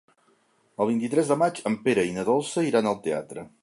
El vint-i-tres de maig en Pere i na Dolça iran al teatre.